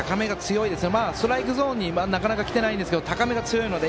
ストライクゾーンになかなか来ていないんですが高めが強いので。